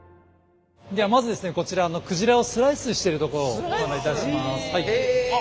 ではまずですねこちらの鯨をスライスしているとこをご案内いたします。